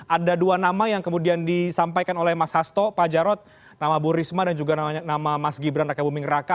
ada dua nama yang kemudian disampaikan oleh mas hasto pak jarod nama bu risma dan juga nama mas gibran raka buming raka